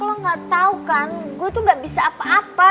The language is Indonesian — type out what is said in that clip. lo gak tau kan gue tuh gak bisa apa apa